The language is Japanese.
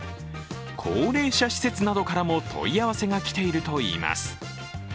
高齢者施設などからも問い合わせがきているといいます。